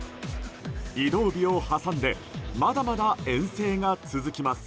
移動日を挟んでまだまだ遠征が続きます。